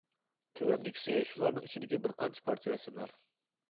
تۆۋەندىكىسى شۇلارنىڭ ئىچىدىكى بىر قانچە پارچە رەسىملەر.